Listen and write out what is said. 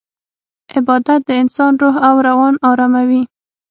عبادت د انسان روح او روان اراموي.